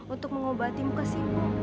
untuk mengobati muka simbo